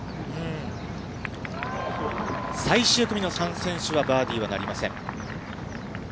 最終組の３選手はバーディーはなりません。